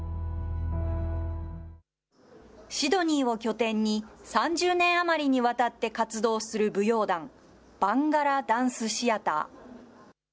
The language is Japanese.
シドニーを拠点に３０年余りにわたって活動する舞踊団、バンガラ・ダンス・シアター。